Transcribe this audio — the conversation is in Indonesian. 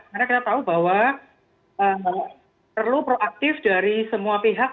karena kita tahu bahwa perlu proaktif dari semua pihak